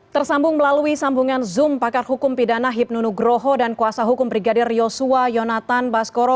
tersambung melalui sambungan zoom pakar hukum pidana hipnu nugroho dan kuasa hukum brigadir yosua yonatan baskoro